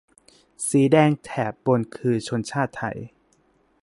สีแดงแถบบนคือชนชาติไทย